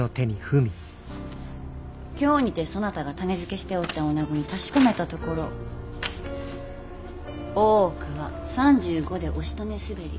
京にてそなたが種付けしておった女子に確かめたところ「大奥は３５でおしとねすべり。